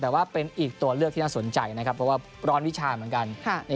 แต่ว่าเป็นอีกตัวเลือกที่น่าสนใจนะครับเพราะว่าร้อนวิชาเหมือนกัน